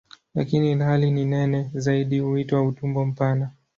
Lakini ilhali ni nene zaidi huitwa "utumbo mpana".